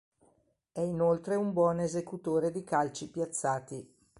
È inoltre un buon esecutore di calci piazzati.